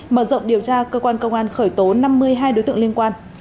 mở rộng điều tra cơ quan cơ quan khởi tố năm mươi hai đối tượng liên quan